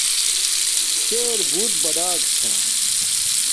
شر بُوٹ بڑک چھا